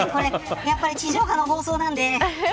やっぱり、地上波の放送なんで。